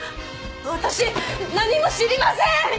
私何も知りません！